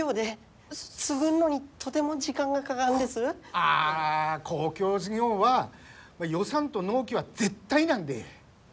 ああ公共事業は予算と納期は絶対なんで。